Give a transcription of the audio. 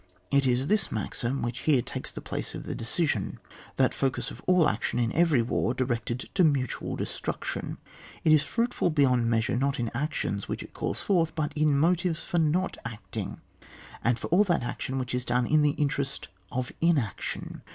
It is this maxim which here takes the place of the decision, that focus of all action in every war directed to mutual destruction. It is fruit ful beyond meajsure, not in actions which it calls forth, but in motives for not acting, and for all that action which is done in the interest of inaction.